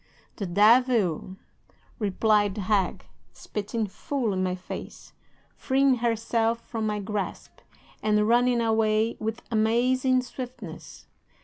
"'"The devil!" replied the hag, spitting full in my face, freeing herself from my grasp, and running away with amazing swiftness.